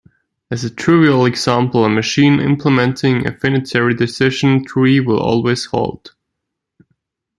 As a trivial example, a machine implementing a finitary decision tree will always halt.